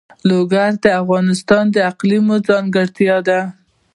لوگر د افغانستان د اقلیم ځانګړتیا ده.